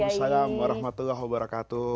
assalamualaikum warahmatullahi wabarakatuh